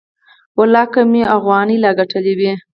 ولله که مې اوغانۍ لا گټلې وي.